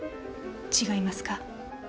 違いますか？